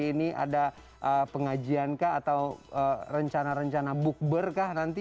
ini ada pengajian kah atau rencana rencana bukber kah nanti